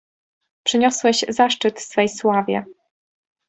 "Przyniosłeś zaszczyt swej sławie!"